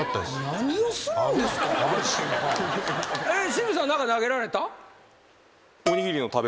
清水さん何か投げられた？